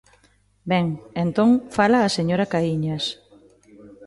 Ben, entón fala a señora Caíñas.